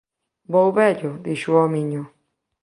Vou vello —dixo o homiño—.